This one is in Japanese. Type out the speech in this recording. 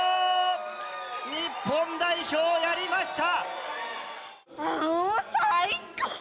日本代表やりました！